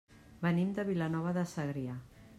Venim de Vilanova de Segrià.